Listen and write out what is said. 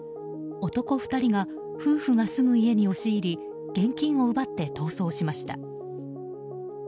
男２人が夫婦が住む家に押し入り現金を奪って逃走しました。